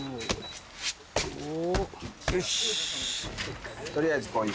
よし。